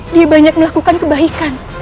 dia banyak melakukan kebaikan